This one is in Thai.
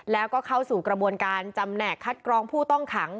แล้วก็เข้าสู่กระบวนการจำแหนกคัดกรองผู้ต้องขัง